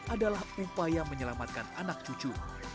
adalah upaya menyelamatkan anak cucu